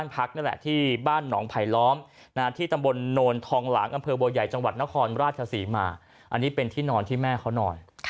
แปดอันหนึ่งว่าพี่แม่นอนที่แม่เขานอน